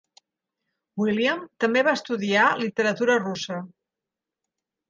William també va estudiar literatura russa.